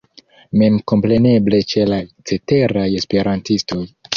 Memkompreneble ĉe la ceteraj esperantistoj.